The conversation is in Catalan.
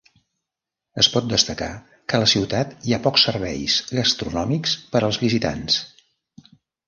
Es pot destacar que a la ciutat hi ha pocs serveis gastronòmics per als visitants.